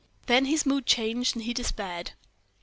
Then his mood changed, and he despaired.